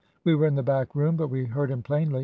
We were in the back room, but we heard him plainly.